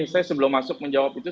saya sebelum masuk menjawab itu